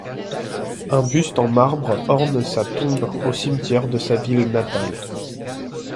Un buste en marbre orne sa tombe au cimetière de sa ville natale.